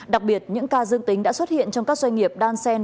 đặc biệt những ca dương tính đã xuất hiện trong các doanh nghiệp đan sen